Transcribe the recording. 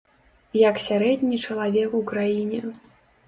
Як сярэдні чалавек у краіне.